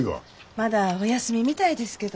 まだおやすみみたいですけど。